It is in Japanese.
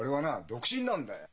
独身なんだよ。